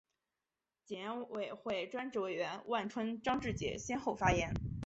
检委会专职委员万春、张志杰先后发言